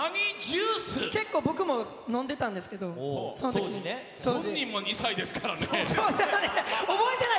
結構僕も飲んでたんですけど、本人も２歳ですからね。